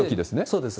そうです。